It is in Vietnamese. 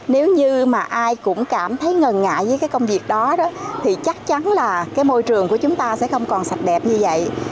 nếu như mà ai cũng cảm thấy ngần ngại với cái công việc đó thì chắc chắn là cái môi trường của chúng ta sẽ không còn sạch đẹp như vậy